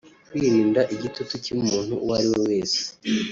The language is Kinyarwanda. Kwirinda igututu cy’umuntu uwo ari we wese